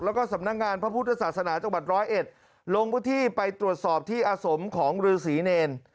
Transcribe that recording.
แล้วก็สำนักงานพระพุทธศาสนาจังหวัดร้อยเอ็ดลงพื้นที่ไปตรวจสอบที่อาสมของฤษีเนร